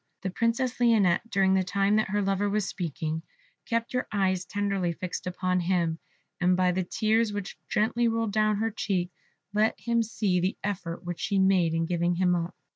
The Princess Lionette, during the time that her lover was speaking, kept her eyes tenderly fixed upon him, and by the tears which gently rolled down her cheeks let him see the effort which she made in giving him up.